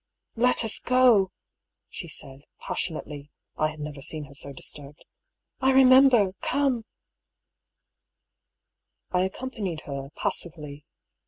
"Let us go," she said, passionately — I had never seen her so disturbed. " I remember — come —!" I accompanied her, passively.